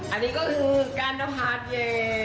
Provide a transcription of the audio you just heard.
อันนี้ก็คือการนพาร์ทเย